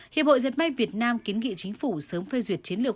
hiệp hội diệt may việt nam kiến nghị chính phủ sớm phê duyệt chiến lược